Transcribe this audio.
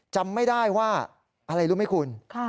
จำไม่ได้ว่าอะไรรู้ไหมคุณ